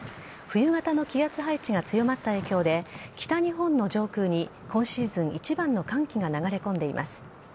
冬型の気圧配置が強まった影響で北日本の上空に今シーズン一番の寒気が流れ込んでいます。